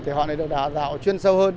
thì họ đã dạo chuyên sâu hơn